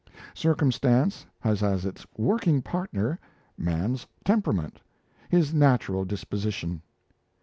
Circumstance has as its working partner man's temperament, his natural disposition.